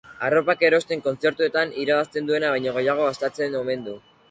Arropak erosten kontzertuetan irabazten duena baino gehiago gastatzen omen du.